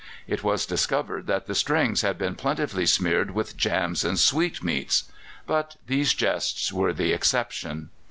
It was discovered that the strings had been plentifully smeared with jams and sweetmeats! But these jests were the exception.